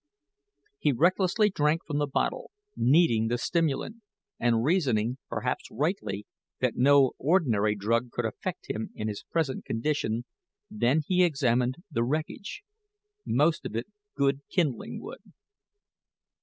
He recklessly drank from the bottle, needing the stimulant, and reasoning, perhaps rightly, that no ordinary drug could affect him in his present condition; then he examined the wreckage most of it good kindling wood.